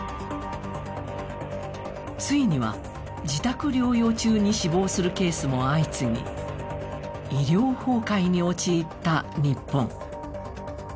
ついには、自宅療養中に死亡するケースも相次ぎ医療崩壊に陥った日本。